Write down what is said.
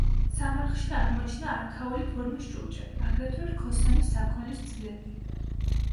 სამარხში აღმოჩნდა არქაული ფორმის ჭურჭელი, აგრეთვე რქოსანი საქონლის ძვლები.